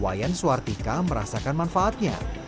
wayan swartika merasakan manfaatnya